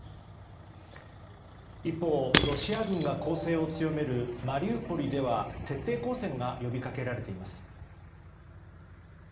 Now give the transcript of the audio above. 一方、ロシア軍が攻勢を強めるマリウポリでは徹底抗戦が呼びかけられています。